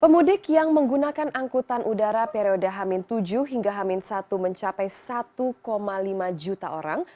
pemudik yang menggunakan angkutan udara periode hamin tujuh hingga hamin satu mencapai satu lima juta orang